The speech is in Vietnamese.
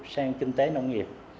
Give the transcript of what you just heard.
sang kinh tế nông nghiệp